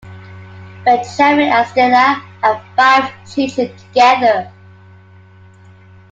Benjamin and Stella had five children together.